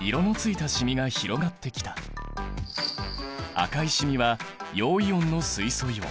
赤い染みは陽イオンの水素イオン。